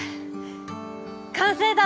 完成だ！